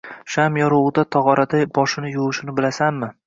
sham yorug‘ida tog‘orada boshini yuvishini bilasanmi?